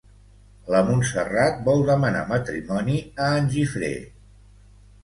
La Montserrat vol demanar matrimoni a en Gifré.